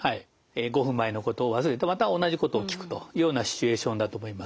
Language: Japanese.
５分前のことを忘れてまた同じことを聞くというようなシチュエーションだと思います。